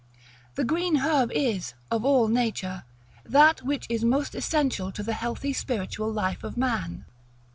The green herb is, of all nature, that which is most essential to the healthy spiritual life of man.